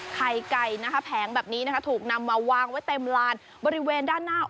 ไข่ไก่นะคะแผงแบบนี้นะคะถูกนำมาวางไว้เต็มลานบริเวณด้านหน้า